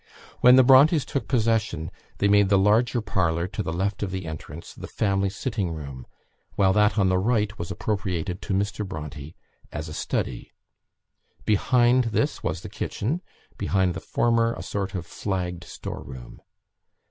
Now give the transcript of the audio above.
When the Brontes took possession, they made the larger parlour, to the left of the entrance, the family sitting room, while that on the right was appropriated to Mr. Bronte as a study. Behind this was the kitchen; behind the former, a sort of flagged store room.